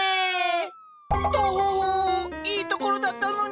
トホホいいところだったのに！